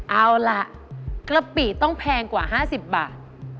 เอาล่ะกะปิต้องแพงกว่า๕๐บาท